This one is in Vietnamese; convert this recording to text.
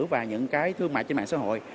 và những cái thương mại trên mạng xã hội